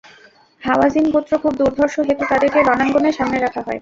হাওয়াযিন গোত্র খুব দুর্ধর্ষ হেতু তাদেরকে রণাঙ্গনে সামনে রাখা হয়।